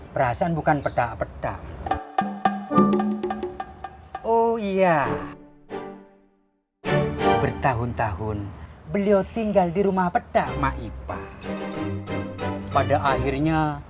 perasaan bukan pedak pedak oh iya bertahun tahun beliau tinggal di rumah pedang maipa pada akhirnya